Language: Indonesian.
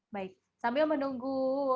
baik sambil menunggu